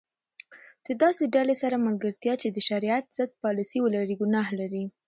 د داسي ډلي سره ملګرتیا چي د شرعیت ضد پالسي ولري؛ ګناه لري.